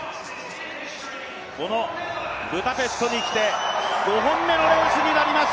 このブダペストに来て５本目のレースになります